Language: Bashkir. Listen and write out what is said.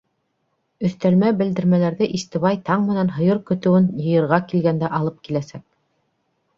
Өҫтәлмә белдермәләрҙе Истебай таң менән һыйыр көтөүен йыйырға килгәндә алып киләсәк.